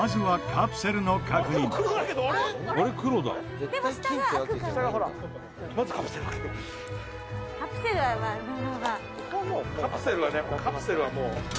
「カプセルはねカプセルはもう」